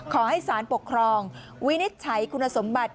ขอให้สารปกครองวินิจฉัยคุณสมบัติ